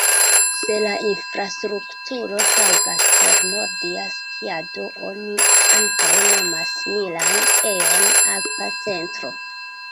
Se la infrastrukturo taŭgas por nordia skiado oni ankaŭ nomas similan ejon "alpa centro".